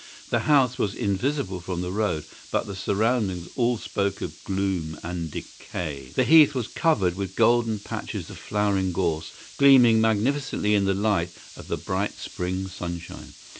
The house was invisible from the road, but the surroundings all spoke of gloom and decay. The heath was covered with golden patches of flowering gorse, gleaming magnificently in the light of the bright spring sunshine.